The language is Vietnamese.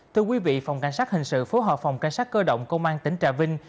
thưa quý vị phòng cảnh sát hình sự phối hợp phòng cảnh sát cơ động công an tỉnh trà vinh